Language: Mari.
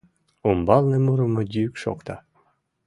Умбалне мурымо йӱк шокта: